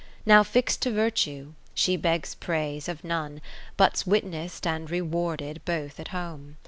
Now fix'd to Virtue, she begs praise of none, ( 550 ) But 's witness'd and rewarded both at home.